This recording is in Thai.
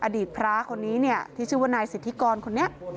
อดีตพระคนนี้เนี่ยที่ชื่อว่านายสิทธิกรคนนี้